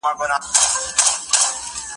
سپوږمۍ مړه شوې،